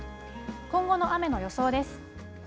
今後の雨の予想です。